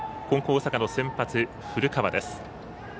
大阪の先発、古川です。